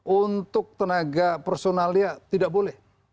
untuk tenaga personalnya tidak boleh